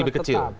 jadi lebih kecil